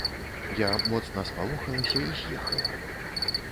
Я моцна спалохалася і з'ехала.